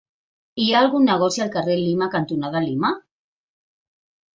Hi ha algun negoci al carrer Lima cantonada Lima?